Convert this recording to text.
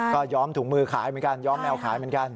ก็ย้อมถุงมือขายเหมือนกันย้อมแมวขายเหมือนกัน